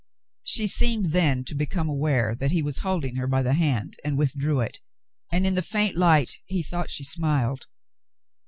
She seemed then to become aware that he was holding her by the hand and withdrew it, and in the faint light he thought she smiled.